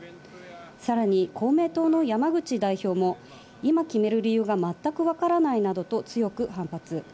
さらに、公明党の山口代表も今決める理由がまったく分からないなどと強く反発。